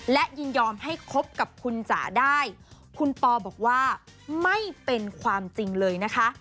และยินยอมให้คบกับคุณจ๋าได้คุณปอบอกว่าไม่เป็นความจริงเลยนะคะ